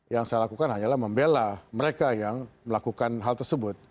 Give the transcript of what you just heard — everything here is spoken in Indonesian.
yang saya lakukan hanyalah membela mereka yang melakukan hal tersebut